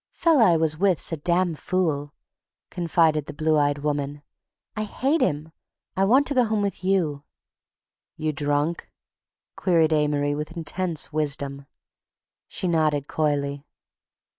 "Fella I was with's a damn fool," confided the blue eyed woman. "I hate him. I want to go home with you." "You drunk?" queried Amory with intense wisdom. She nodded coyly.